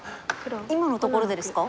今のところでですか？